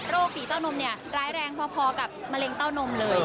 ฝีเต้านมเนี่ยร้ายแรงพอกับมะเร็งเต้านมเลย